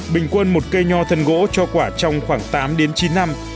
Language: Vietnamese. bình quân một cây nhò thần gỗ cho quả trong khoảng tám chín năm